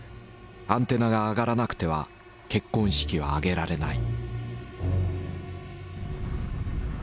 アンテナがあがらなくては結婚式は挙げられない。